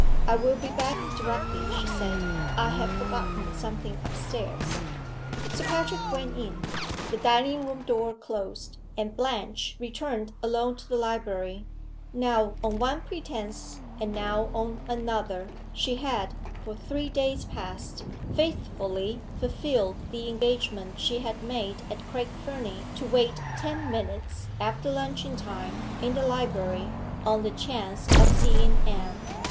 "I will be back directly," she said. "I have forgotten something up stairs." Sir Patrick went in. The dining room door closed; and Blanche returned alone to the library. Now on one pretense, and now on another, she had, for three days past, faithfully fulfilled the engagement she had made at Craig Fernie to wait ten minutes after luncheon time in the library, on the chance of seeing Anne.